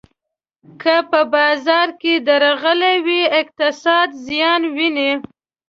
که په بازار کې درغلي وي، اقتصاد زیان ویني.